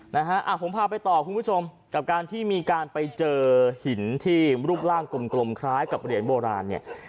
นะฮะอ่ะผมพาไปต่อคุณผู้ชมกับการที่มีการไปเจอหินที่รูปร่างกลมกลมคล้ายกับเหรียญโบราณเนี่ย